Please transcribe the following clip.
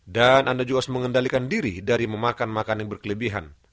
dan anda juga harus mengendalikan diri dari memakan makanan yang berkelebihan